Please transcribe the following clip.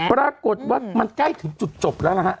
ปรากฏว่ามันใกล้ถึงจุดจบแล้วนะฮะ